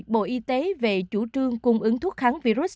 bộ y tế về chủ trương cung ứng thuốc kháng virus